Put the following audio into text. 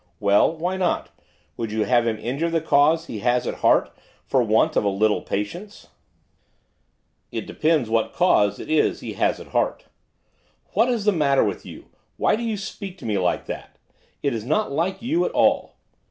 'Well! why not? would you have him injure the cause he has at heart for want of a little patience?' 'It depends what cause it is he has at heart.' 'What is the matter with you? why do you speak to me like that? it is not like you at all.